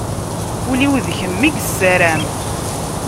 Ul-iw d kem i yessaram.